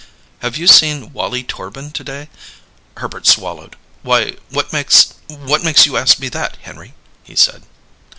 "Have you seen Wallie Torbin to day?" Herbert swallowed. "Why, what makes what makes you ask me that, Henry?" he said.